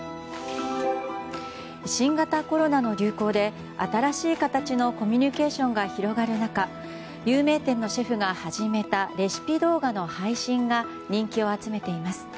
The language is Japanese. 新型コロナの流行で、新しい形のコミュニケーションが広がる中有名店のシェフが始めたレシピ動画の配信が人気を集めています。